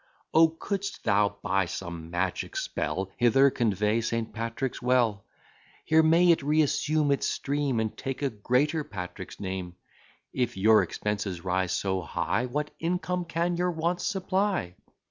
O! couldst thou, by some magic spell, Hither convey St. Patrick's well! Here may it reassume its stream, And take a greater Patrick's name! If your expenses rise so high; What income can your wants supply?